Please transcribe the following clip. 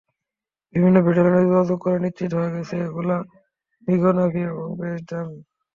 বিভিন্ন ব্যাটালিয়নে যোগাযোগ করে নিশ্চিত হওয়া গেছে, এগুলো মৃগনাভি এবং বেশ দামি।